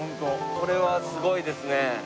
これはすごいですね。